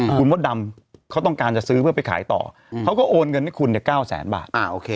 คุณมดดำเขาต้องการจะซื้อเพื่อไปขายต่อเขาก็โอนเงินให้คุณเนี่ย๙แสนบาท